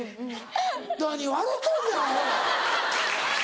何笑うとんねんアホ！